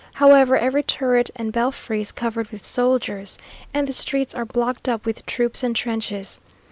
However, every turret and belfry is covered with soldiers, and the streets are blocked up with troops and trenches.